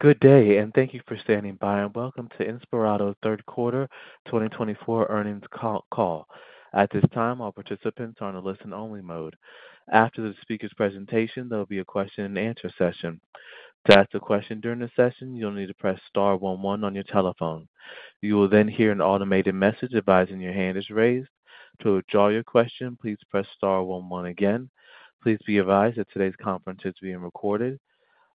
Good day, and thank you for standing by. Welcome to Inspirato's third quarter 2024 earnings call. At this time, all participants are on a listen-only mode. After the speaker's presentation, there will be a question-and-answer session. To ask a question during the session, you'll need to press star 11 on your telephone. You will then hear an automated message advising your hand is raised. To withdraw your question, please press star 11 again. Please be advised that today's conference is being recorded.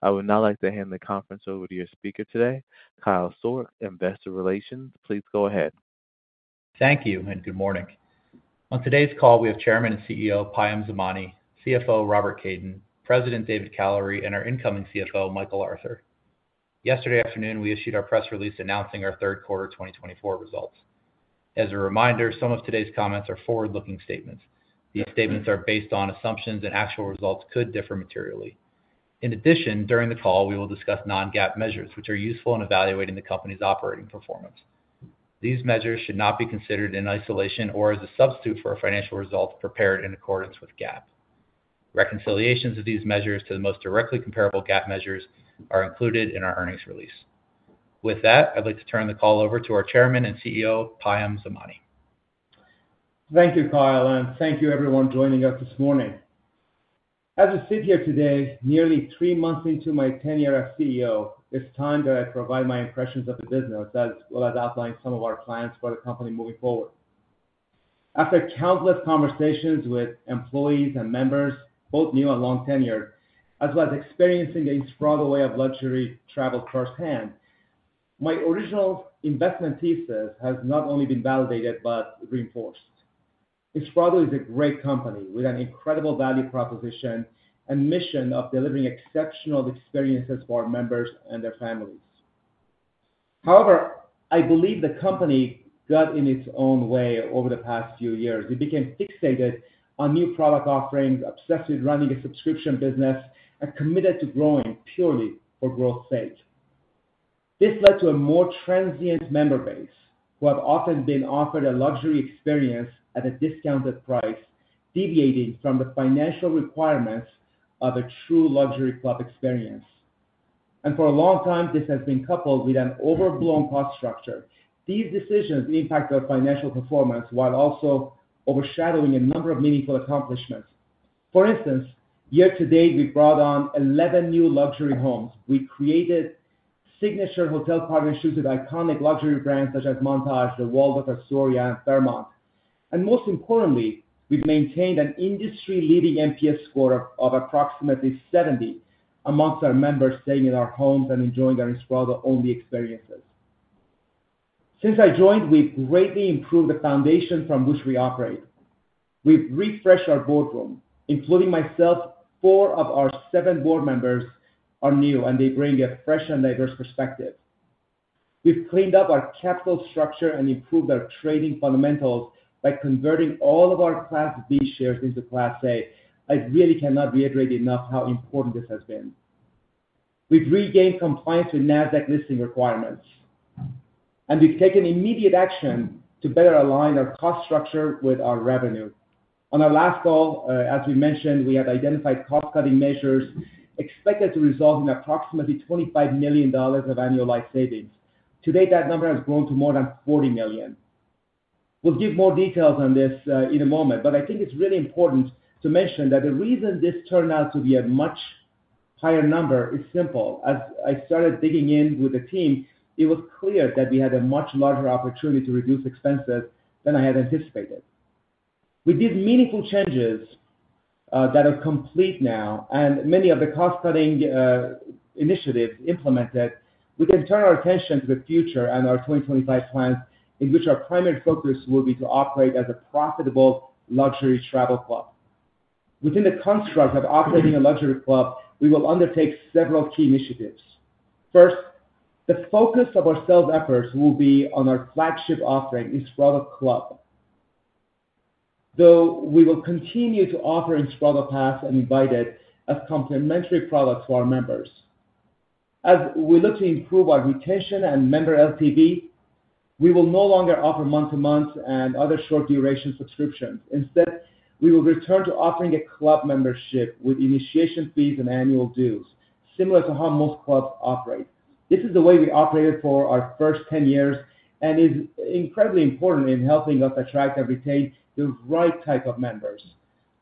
I would now like to hand the conference over to your speaker today, Kyle Sourk, Investor Relations. Please go ahead. Thank you, and good morning. On today's call, we have Chairman and CEO Payam Zamani, CFO Robert Kaiden, President David Kallery, and our incoming CFO, Michael Arthur. Yesterday afternoon, we issued our press release announcing our third quarter 2024 results. As a reminder, some of today's comments are forward-looking statements. These statements are based on assumptions, and actual results could differ materially. In addition, during the call, we will discuss non-GAAP measures, which are useful in evaluating the company's operating performance. These measures should not be considered in isolation or as a substitute for a financial result prepared in accordance with GAAP. Reconciliations of these measures to the most directly comparable GAAP measures are included in our earnings release. With that, I'd like to turn the call over to our Chairman and CEO, Payam Zamani. Thank you, Kyle, and thank you, everyone, joining us this morning. As CEO today, nearly three months into my tenure as CEO, it's time that I provide my impressions of the business, as well as outline some of our plans for the company moving forward. After countless conversations with employees and members, both new and long-tenured, as well as experiencing the Inspirato way of luxury travel first hand, my original investment thesis has not only been validated but reinforced. Inspirato is a great company with an incredible value proposition and mission of delivering exceptional experiences for our members and their families. However, I believe the company got in its own way over the past few years. It became fixated on new product offerings, obsessed with running a subscription business, and committed to growing purely for growth's sake. This led to a more transient member base, who have often been offered a luxury experience at a discounted price, deviating from the financial requirements of a true luxury club experience. And for a long time, this has been coupled with an overblown cost structure. These decisions impact our financial performance while also overshadowing a number of meaningful accomplishments. For instance, year to date, we've brought on 11 new luxury homes. We've created signature hotel partnerships with iconic luxury brands such as Montage, The Waldorf Astoria, and Fairmont. And most importantly, we've maintained an industry-leading NPS score of approximately 70 amongst our members staying in our homes and enjoying our Inspirato-only experiences. Since I joined, we've greatly improved the foundation from which we operate. We've refreshed our boardroom, including myself. Four of our seven board members are new, and they bring a fresh and diverse perspective. We've cleaned up our capital structure and improved our trading fundamentals by converting all of our Class B shares into Class A shares. I really cannot reiterate enough how important this has been. We've regained compliance with NASDAQ listing requirements, and we've taken immediate action to better align our cost structure with our revenue. On our last call, as we mentioned, we had identified cost-cutting measures expected to result in approximately $25 million of annualized savings. Today, that number has grown to more than $40 million. We'll give more details on this in a moment, but I think it's really important to mention that the reason this turned out to be a much higher number is simple. As I started digging in with the team, it was clear that we had a much larger opportunity to reduce expenses than I had anticipated. We did meaningful changes that are complete now, and many of the cost-cutting initiatives implemented. We can turn our attention to the future and our 2025 plans, in which our primary focus will be to operate as a profitable luxury travel club. Within the construct of operating a luxury club, we will undertake several key initiatives. First, the focus of our sales efforts will be on our flagship offering, Inspirato Club, though we will continue to offer Inspirato Pass and Invited as complementary products for our members. As we look to improve our retention and member LTV, we will no longer offer month-to-month and other short-duration subscriptions. Instead, we will return to offering a club membership with initiation fees and annual dues, similar to how most clubs operate. This is the way we operated for our first 10 years and is incredibly important in helping us attract and retain the right type of members.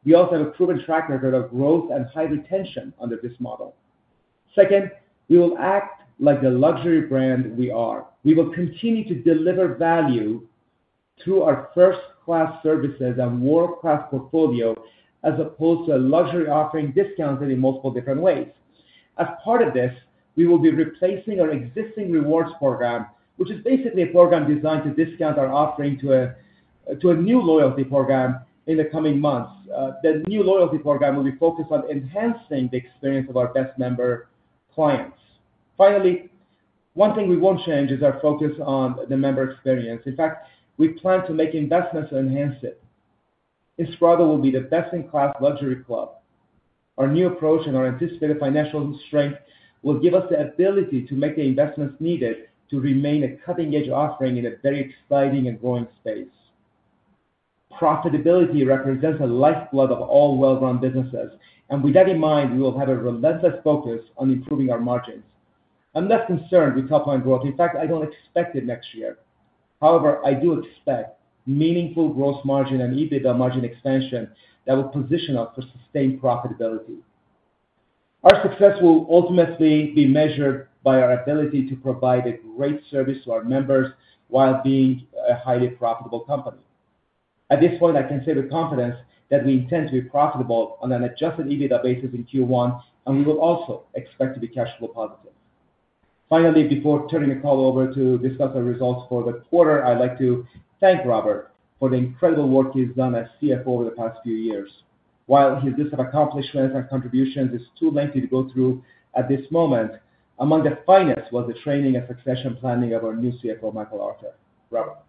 We also have a proven track record of growth and high retention under this model. Second, we will act like the luxury brand we are. We will continue to deliver value through our first-class services and world-class portfolio, as opposed to a luxury offering discounted in multiple different ways. As part of this, we will be replacing our existing rewards program, which is basically a program designed to discount our offering to a new loyalty program in the coming months. The new loyalty program will be focused on enhancing the experience of our best member clients. Finally, one thing we won't change is our focus on the member experience. In fact, we plan to make investments to enhance it. Inspirato will be the best-in-class luxury club. Our new approach and our anticipated financial strength will give us the ability to make the investments needed to remain a cutting-edge offering in a very exciting and growing space. Profitability represents a lifeblood of all well-run businesses, and with that in mind, we will have a relentless focus on improving our margins. I'm less concerned with top-line growth. In fact, I don't expect it next year. However, I do expect meaningful gross margin and EBITDA margin expansion that will position us for sustained profitability. Our success will ultimately be measured by our ability to provide a great service to our members while being a highly profitable company. At this point, I can say with confidence that we intend to be profitable on an adjusted EBITDA basis in Q1, and we will also expect to be cash flow positive. Finally, before turning the call over to discuss our results for the quarter, I'd like to thank Robert for the incredible work he's done as CFO over the past few years. While his list of accomplishments and contributions is too lengthy to go through at this moment, among the finest was the training and succession planning of our new CFO, Michael Arthur. Robert.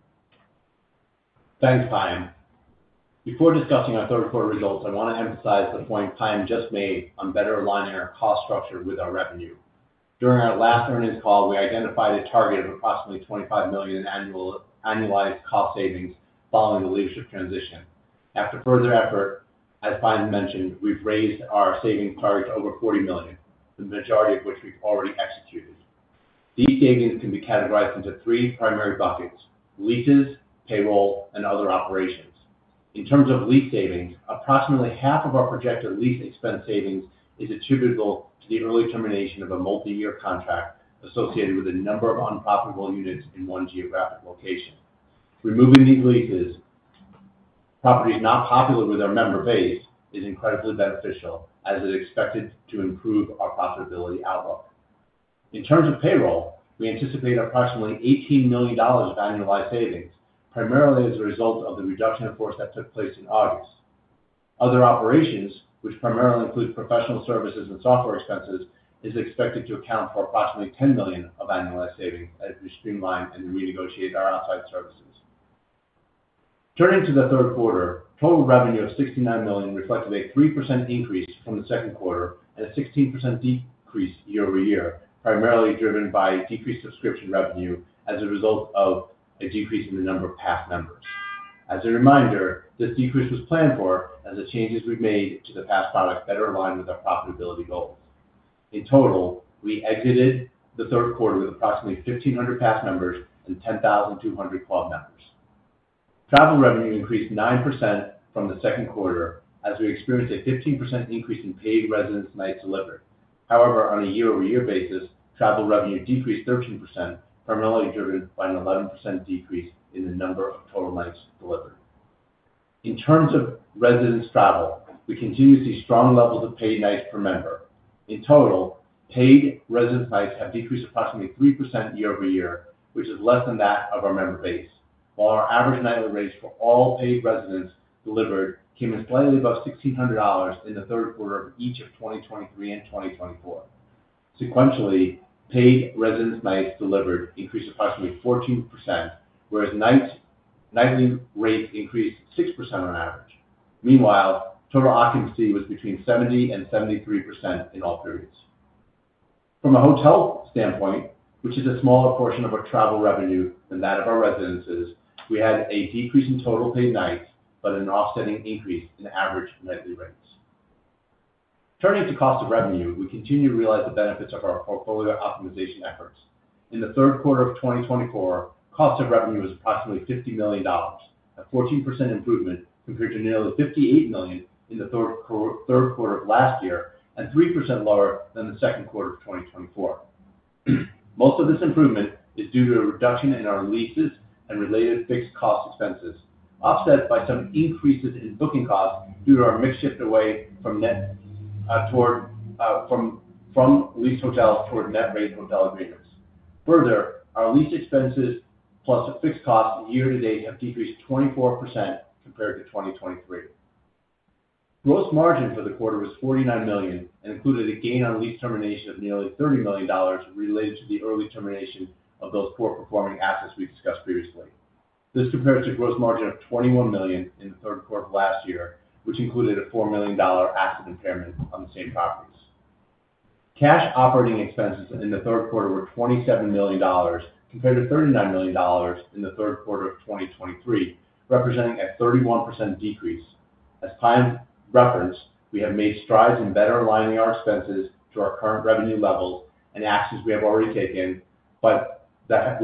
Thanks, Payam. Before discussing our third quarter results, I want to emphasize the point Payam just made on better aligning our cost structure with our revenue. During our last earnings call, we identified a target of approximately $25 million in annualized cost savings following the leadership transition. After further effort, as Payam mentioned, we've raised our savings target to over $40 million, the majority of which we've already executed. These savings can be categorized into three primary buckets: leases, payroll, and other operations. In terms of lease savings, approximately half of our projected lease expense savings is attributable to the early termination of a multi-year contract associated with a number of unprofitable units in one geographic location. Removing these leases, properties not popular with our member base, is incredibly beneficial, as it is expected to improve our profitability outlook. In terms of payroll, we anticipate approximately $18 million of annualized savings, primarily as a result of the reduction in force that took place in August. Other operations, which primarily include professional services and software expenses, are expected to account for approximately $10 million of annualized savings as we streamline and renegotiate our outside services. Turning to the third quarter, total revenue of $69 million reflects a 3% increase from the second quarter and a 16% decrease year over year, primarily driven by decreased subscription revenue as a result of a decrease in the number of Pass members. As a reminder, this decrease was planned for as the changes we've made to the Pass product better align with our profitability goals. In total, we exited the third quarter with approximately 1,500 Pass members and 10,200 Club members. Travel revenue increased 9% from the second quarter, as we experienced a 15% increase in paid residence nights delivered. However, on a year-over-year basis, travel revenue decreased 13%, primarily driven by an 11% decrease in the number of total nights delivered. In terms of residence travel, we continue to see strong levels of paid nights per member. In total, paid residence nights have decreased approximately 3% year over year, which is less than that of our member base, while our average nightly rate for all paid residence delivered came in slightly above $1,600 in the third quarter of each of 2023 and 2024. Sequentially, paid residence nights delivered increased approximately 14%, whereas nightly rates increased 6% on average. Meanwhile, total occupancy was between 70% and 73% in all periods. From a hotel standpoint, which is a smaller portion of our travel revenue than that of our residences, we had a decrease in total paid nights but an offsetting increase in average nightly rates. Turning to cost of revenue, we continue to realize the benefits of our portfolio optimization efforts. In the third quarter of 2024, cost of revenue was approximately $50 million, a 14% improvement compared to nearly $58 million in the third quarter of last year and 3% lower than the second quarter of 2024. Most of this improvement is due to a reduction in our leases and related fixed cost expenses, offset by some increases in booking costs due to our mix shift away from leased hotels toward net rate hotel agreements. Further, our lease expenses plus fixed costs year to date have decreased 24% compared to 2023. Gross margin for the quarter was $49 million and included a gain on lease termination of nearly $30 million related to the early termination of those poor-performing assets we discussed previously. This compares to a gross margin of $21 million in the third quarter of last year, which included a $4 million asset impairment on the same properties. Cash operating expenses in the third quarter were $27 million compared to $39 million in the third quarter of 2023, representing a 31% decrease. As Payam referenced, we have made strides in better aligning our expenses to our current revenue levels and actions we have already taken, but have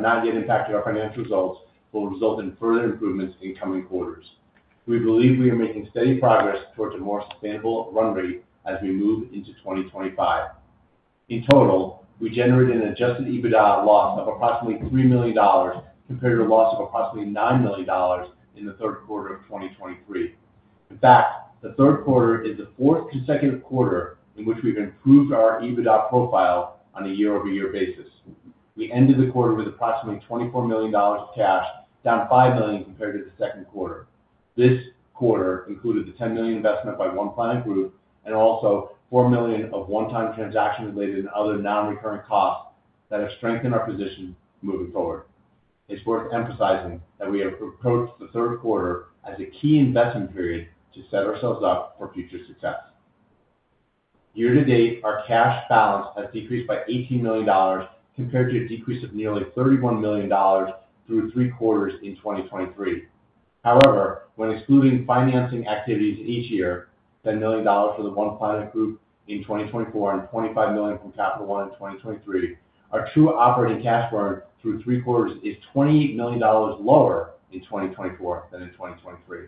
not yet impacted our financial results, but will result in further improvements in coming quarters. We believe we are making steady progress towards a more sustainable run rate as we move into 2025. In total, we generated an Adjusted EBITDA loss of approximately $3 million compared to a loss of approximately $9 million in the third quarter of 2023. In fact, the third quarter is the fourth consecutive quarter in which we've improved our EBITDA profile on a year-over-year basis. We ended the quarter with approximately $24 million of cash, down $5 million compared to the second quarter. This quarter included the $10 million investment by One Planet Group and also $4 million of one-time transaction-related and other non-recurring costs that have strengthened our position moving forward. It's worth emphasizing that we have approached the third quarter as a key investment period to set ourselves up for future success. Year to date, our cash balance has decreased by $18 million compared to a decrease of nearly $31 million through three quarters in 2023. However, when excluding financing activities each year, $10 million for the One Planet Group in 2024 and $25 million from Capital One in 2023, our true operating cash burn through three quarters is $28 million lower in 2024 than in 2023.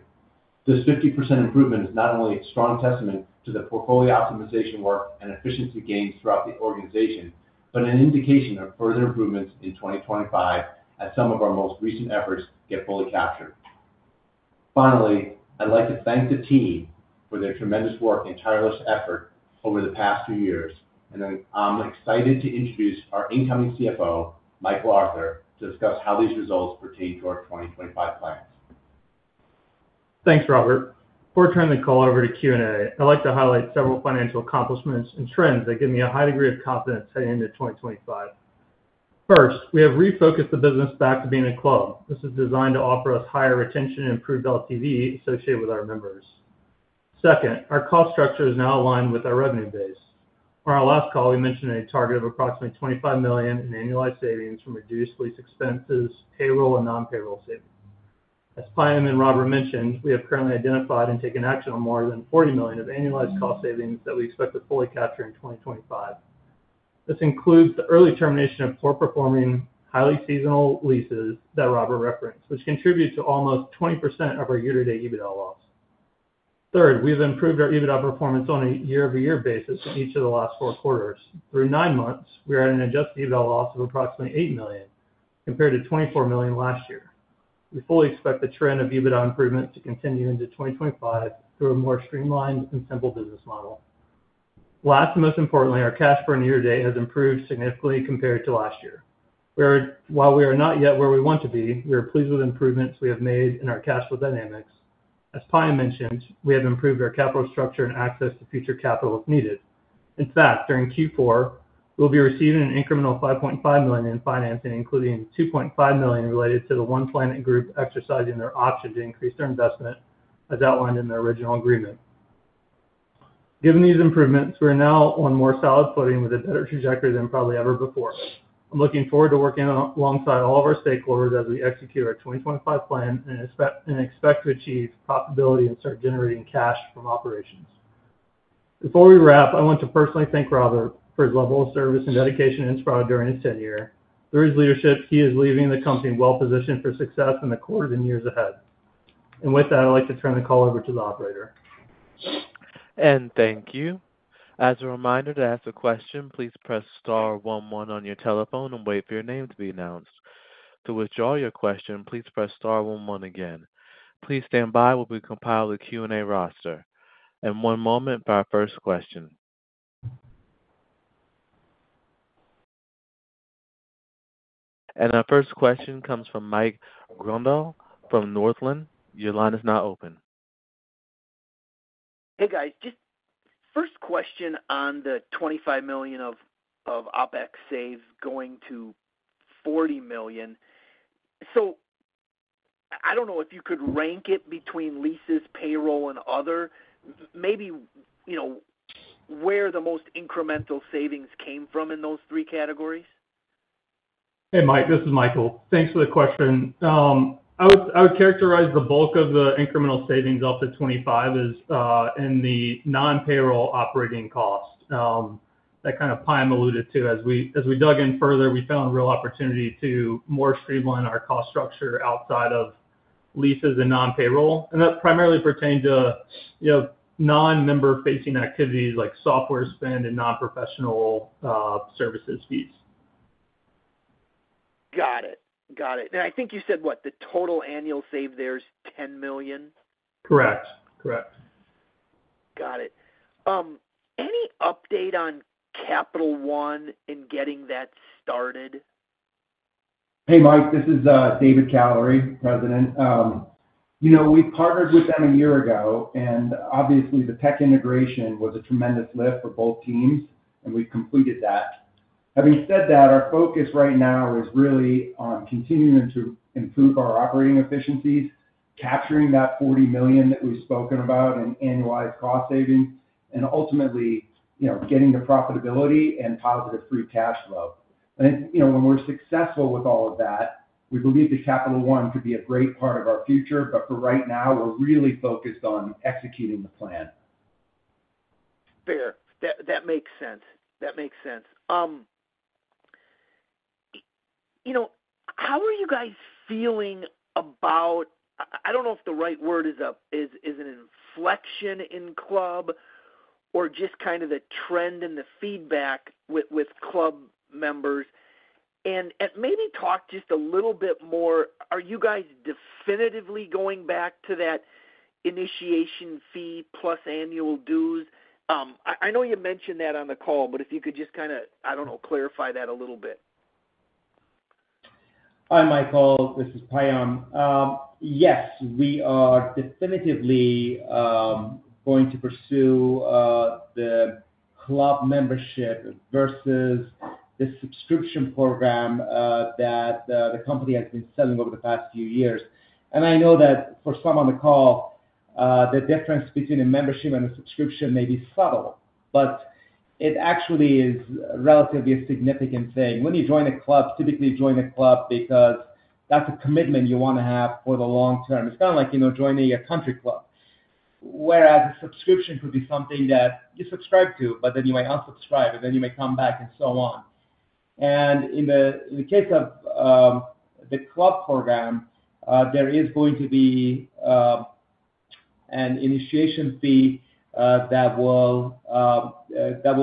This 50% improvement is not only a strong testament to the portfolio optimization work and efficiency gains throughout the organization, but an indication of further improvements in 2025 as some of our most recent efforts get fully captured. Finally, I'd like to thank the team for their tremendous work and tireless effort over the past few years, and I'm excited to introduce our incoming CFO, Michael Arthur, to discuss how these results pertain to our 2025 plans. Thanks, Robert. Before turning the call over to Q&A, I'd like to highlight several financial accomplishments and trends that give me a high degree of confidence heading into 2025. First, we have refocused the business back to being a club. This is designed to offer us higher retention and improved LTV associated with our members. Second, our cost structure is now aligned with our revenue base. On our last call, we mentioned a target of approximately $25 million in annualized savings from reduced lease expenses, payroll, and non-payroll savings. As Payam and Robert mentioned, we have currently identified and taken action on more than $40 million of annualized cost savings that we expect to fully capture in 2025. This includes the early termination of poor-performing, highly seasonal leases that Robert referenced, which contribute to almost 20% of our year-to-date EBITDA loss. Third, we have improved our EBITDA performance on a year-over-year basis in each of the last four quarters. Through nine months, we are at an Adjusted EBITDA loss of approximately $8 million compared to $24 million last year. We fully expect the trend of EBITDA improvement to continue into 2025 through a more streamlined and simple business model. Last and most importantly, our cash burn year to date has improved significantly compared to last year. While we are not yet where we want to be, we are pleased with improvements we have made in our cash flow dynamics. As Payam mentioned, we have improved our capital structure and access to future capital if needed. In fact, during Q4, we will be receiving an incremental $5.5 million in financing, including $2.5 million related to the One Planet Group exercising their option to increase their investment, as outlined in their original agreement. Given these improvements, we are now on more solid footing with a better trajectory than probably ever before. I'm looking forward to working alongside all of our stakeholders as we execute our 2025 plan and expect to achieve profitability and start generating cash from operations. Before we wrap, I want to personally thank Robert for his level of service and dedication to Inspirato during his tenure. Through his leadership, he is leaving the company well-positioned for success in the quarters and years ahead. And with that, I'd like to turn the call over to the operator. And thank you. As a reminder to ask a question, please press star 11 on your telephone and wait for your name to be announced. To withdraw your question, please press star 11 again. Please stand by while we compile the Q&A roster. And one moment for our first question. And our first question comes from Mike Grondahl from Northland Securities. Your line is now open. Hey, guys. Just first question on the $25 million of OpEx saves going to $40 million. So I don't know if you could rank it between leases, payroll, and other? Maybe where the most incremental savings came from in those three categories? Hey, Mike. This is Michael. Thanks for the question. I would characterize the bulk of the incremental savings off of $25 million in the non-payroll operating cost that kind of Payam alluded to. As we dug in further, we found real opportunity to more streamline our cost structure outside of leases and non-payroll, and that primarily pertained to non-member-facing activities like software spend and non-professional services fees. Got it. Got it. And I think you said, what, the total annual saved there is $10 million? Correct. Correct. Got it. Any update on Capital One in getting that started? Hey, Mike. This is David Kallery, President. We partnered with them a year ago, and obviously, the tech integration was a tremendous lift for both teams, and we've completed that. Having said that, our focus right now is really on continuing to improve our operating efficiencies, capturing that $40 million that we've spoken about in annualized cost savings, and ultimately getting to profitability and positive free cash flow. And when we're successful with all of that, we believe that Capital One could be a great part of our future. But for right now, we're really focused on executing the plan. Fair. That makes sense. That makes sense. How are you guys feeling about, I don't know if the right word is an inflection in Club or just kind of the trend and the feedback with Club members? And maybe talk just a little bit more, are you guys definitively going back to that initiation fee plus annual dues? I know you mentioned that on the call, but if you could just kind of, I don't know, clarify that a little bit. Hi, Michael. This is Payam. Yes, we are definitively going to pursue the club membership versus the subscription program that the company has been selling over the past few years. I know that for some on the call, the difference between a membership and a subscription may be subtle, but it actually is relatively a significant thing. When you join a club, typically you join a club because that's a commitment you want to have for the long term. It's kind of like joining a country club, whereas a subscription could be something that you subscribe to, but then you might unsubscribe, and then you might come back, and so on. In the case of the club program, there is going to be an initiation fee that will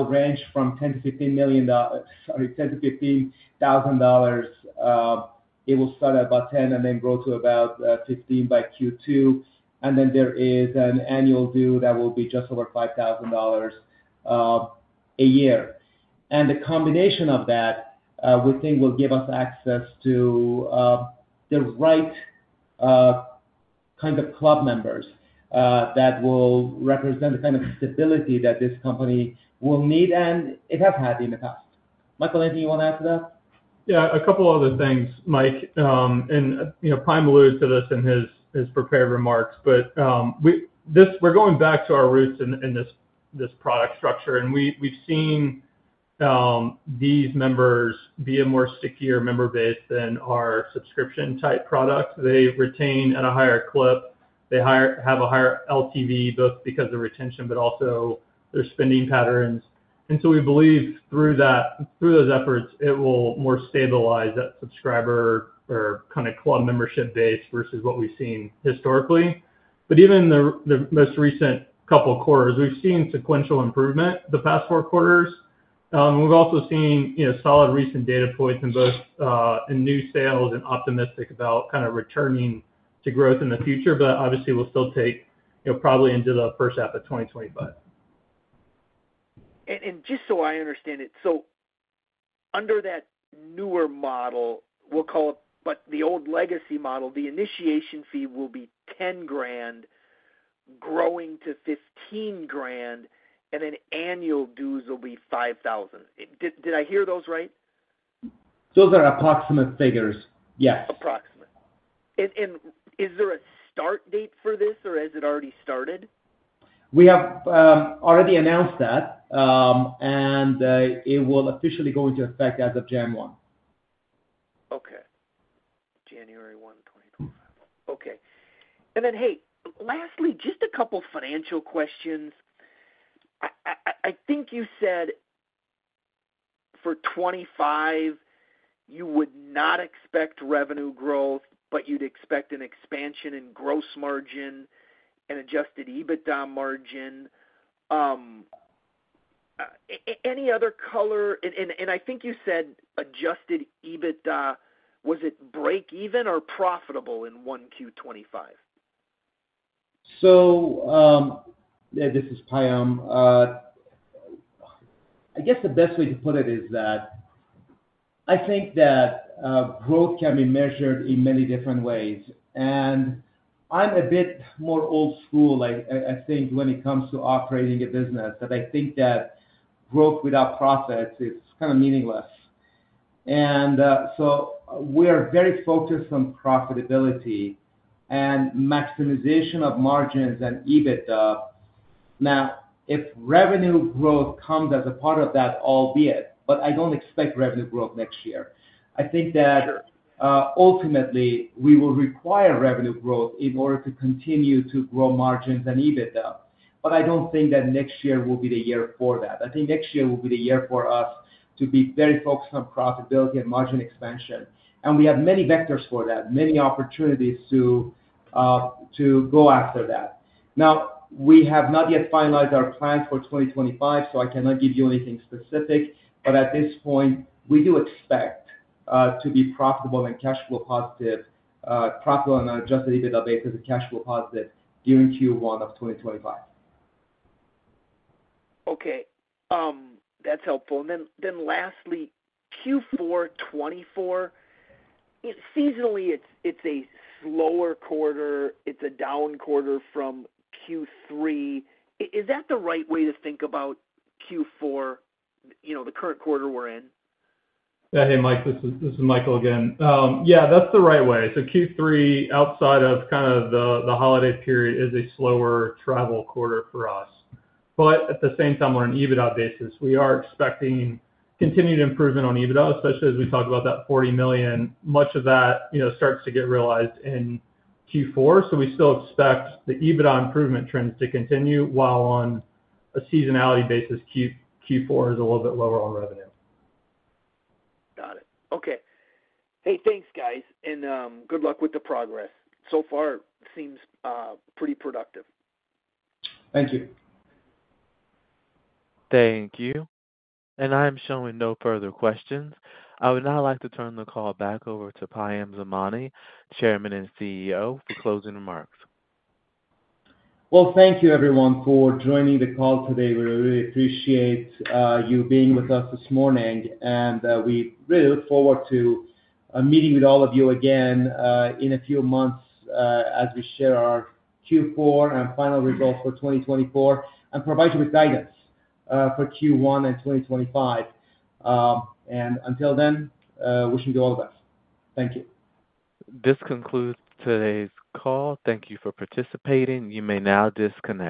range from $10-$15 million. Sorry, $10-$15,000. It will start at about $10,000 and then grow to about $15,000 by Q2. And then there is an annual dues that will be just over $5,000 a year. And the combination of that, we think, will give us access to the right kind of club members that will represent the kind of stability that this company will need and it has had in the past. Michael, anything you want to add to that? Yeah, a couple of other things, Mike. And Payam alluded to this in his prepared remarks, but we're going back to our roots in this product structure. And we've seen these members be a more stickier member base than our subscription-type products. They retain at a higher clip. They have a higher LTV, both because of retention but also their spending patterns. And so we believe through those efforts, it will more stabilize that subscriber or kind of club membership base versus what we've seen historically. But even in the most recent couple of quarters, we've seen sequential improvement the past four quarters. We've also seen solid recent data points in both new sales and optimistic about kind of returning to growth in the future, but obviously, we'll still take probably into the first half of 2025. Just so I understand it, so under that newer model, we'll call it the old legacy model, the initiation fee will be $10,000, growing to $15,000, and then annual dues will be $5,000. Did I hear those right? Those are approximate figures. Yes. Approximate. And is there a start date for this, or has it already started? We have already announced that, and it will officially go into effect as of January 1. Okay. January 1, 2025. Okay. And then, hey, lastly, just a couple of financial questions. I think you said for 2025, you would not expect revenue growth, but you'd expect an expansion in gross margin and adjusted EBITDA margin. Any other color? And I think you said adjusted EBITDA, was it break-even or profitable in 1Q25? So this is Payam. I guess the best way to put it is that I think that growth can be measured in many different ways. And I'm a bit more old-school, I think, when it comes to operating a business, that I think that growth without profits is kind of meaningless. And so we are very focused on profitability and maximization of margins and EBITDA. Now, if revenue growth comes as a part of that, albeit, but I don't expect revenue growth next year. I think that ultimately, we will require revenue growth in order to continue to grow margins and EBITDA. But I don't think that next year will be the year for that. I think next year will be the year for us to be very focused on profitability and margin expansion. And we have many vectors for that, many opportunities to go after that. Now, we have not yet finalized our plan for 2025, so I cannot give you anything specific. But at this point, we do expect to be profitable and cash flow positive, profitable on an Adjusted EBITDA basis and cash flow positive during Q1 of 2025. Okay. That's helpful. And then lastly, Q424, seasonally, it's a slower quarter. It's a down quarter from Q3. Is that the right way to think about Q4, the current quarter we're in? Hey, Mike. This is Michael again. Yeah, that's the right way. So Q3, outside of kind of the holiday period, is a slower travel quarter for us. But at the same time, on an EBITDA basis, we are expecting continued improvement on EBITDA, especially as we talked about that $40 million. Much of that starts to get realized in Q4. So we still expect the EBITDA improvement trends to continue while on a seasonality basis, Q4 is a little bit lower on revenue. Got it. Okay. Hey, thanks, guys, and good luck with the progress so far. It seems pretty productive. Thank you. Thank you. And I am showing no further questions. I would now like to turn the call back over to Payam Zamani, Chairman and CEO, for closing remarks. Thank you, everyone, for joining the call today. We really appreciate you being with us this morning. We really look forward to meeting with all of you again in a few months as we share our Q4 and final results for 2024 and provide you with guidance for Q1 and 2025. Until then, wishing you all the best. Thank you. This concludes today's call. Thank you for participating. You may now disconnect.